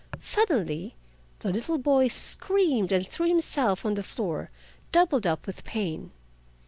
Suddenly the little boy screamed and threw himself on the floor, doubled up with pain.